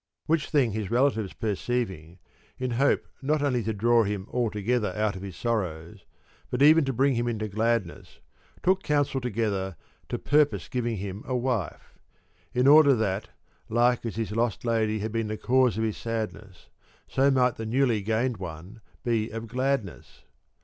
Which thing his relatives perceiving, in hope not only to draw him altogether out of his sorrows, but even to bring him into gladness, took counsel to gether to purpose giving him a wife ; in order that like as his lost lady had been the cause of his sadness so might the newly gained one be of gladness.